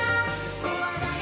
「こわがれ！